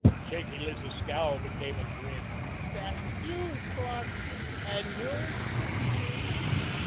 Shaky Liz's scowl became a grin. "Dat's youse, Clarkie, an' youse, Gypsy.